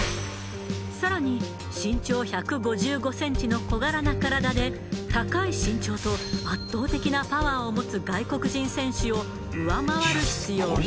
更に身長１５５ｃｍの小柄な体で高い身長と圧倒的なパワーを持つ外国人選手を上回る必要が。